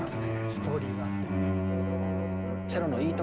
ストーリーがあって。